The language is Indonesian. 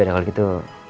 yaudah kalau gitu